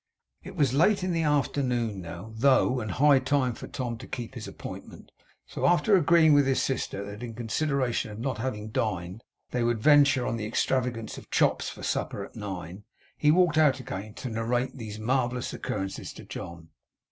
It was late in the afternoon now, though, and high time for Tom to keep his appointment. So, after agreeing with his sister that in consideration of not having dined, they would venture on the extravagance of chops for supper at nine, he walked out again to narrate these marvellous occurrences to John.